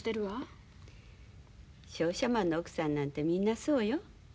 商社マンの奥さんなんてみんなそうよ。